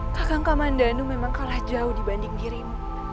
kakak kamandanu memang kalah jauh dibanding dirimu